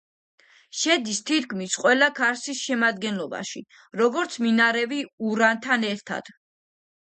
შედის თითქმის ყველა ქარსის შემადგენლობაში, როგორც მინარევი ურანთან ერთად.